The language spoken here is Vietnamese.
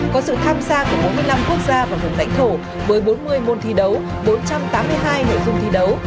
có sự tham gia của bốn mươi năm quốc gia và vùng lãnh thổ với bốn mươi môn thi đấu bốn trăm tám mươi hai nội dung thi đấu